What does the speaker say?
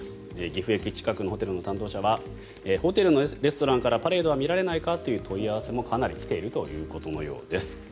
岐阜駅近くのホテルの担当者はホテルのレストランからパレードは見られないか？という問い合わせはかなり来ているということのようです。